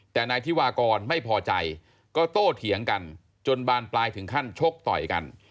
แต่นายธิวากรไม่พอใจก็โตเถียงกันจนบานปลายถึงขั้นชกต่อยกัน